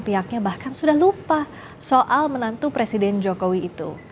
pihaknya bahkan sudah lupa soal menantu presiden jokowi itu